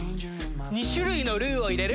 「２種類のルーを入れる」。